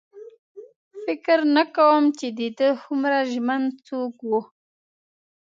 فکر نه کوم چې د ده هومره ژمن څوک و.